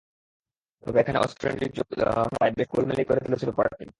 তবে এখানে West Indies যোগ হওয়ায় বেশ গোলমেলেই করে তুলেছে ব্যাপারটি।